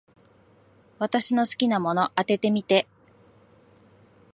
私の好きなもの、当ててみて。